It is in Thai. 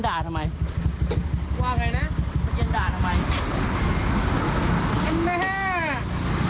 อ่ะแล้วผมไปทำอะไรให้อ่ะ